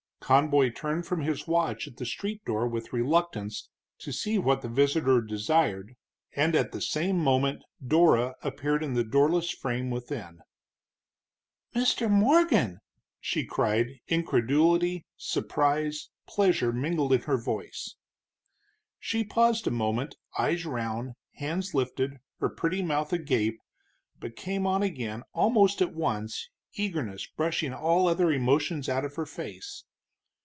Conboy turned from his watch at the street door with reluctance, to see what the visitor desired, and at the same moment Dora appeared in the doorless frame within. "Mr. Morgan!" she cried, incredulity, surprise, pleasure, mingled in her voice. She paused a moment, eyes round, hands lifted, her pretty mouth agape, but came on again almost at once, eagerness brushing all other emotions out of her face.